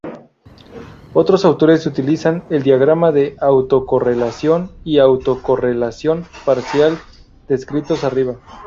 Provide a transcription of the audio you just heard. Otros autores utilizan el diagrama de autocorrelación y autocorrelación parcial, descritos arriba.